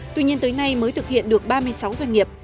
tuy nhiên tới nay mới thực hiện được ba mươi sáu doanh nghiệp